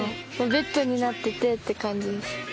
ベッドになっててって感じです。